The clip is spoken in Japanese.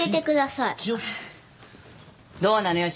どうなのよ？